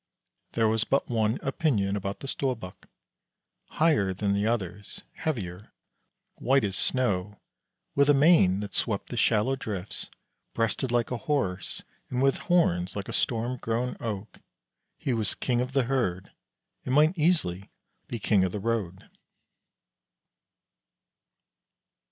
There was but one opinion about the Storbuk. Higher than the others, heavier, white as snow, with a mane that swept the shallow drifts, breasted like a Horse and with horns like a storm grown oak, he was king of the herd, and might easily be king of the road.